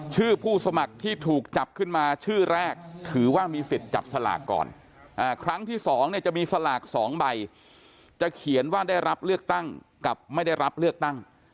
ผู้สมัครที่ถูกจับขึ้นมาชื่อแรกถือว่ามีสิทธิ์จับสลากก่อนครั้งที่๒เนี่ยจะมีสลาก๒ใบจะเขียนว่าได้รับเลือกตั้งกับไม่ได้รับเลือกตั้ง